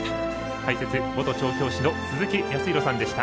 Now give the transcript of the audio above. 解説、元調教師の鈴木康弘さんでした。